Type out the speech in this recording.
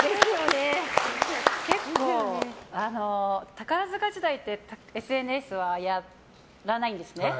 宝塚時代ってＳＮＳはやらないんですね。